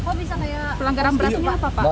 kok bisa nggak ya pelanggaran beratnya apa pak